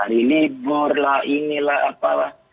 hari ini libur lah inilah apa lah